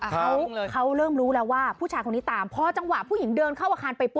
สอยเท้าเร็วกินแล้ว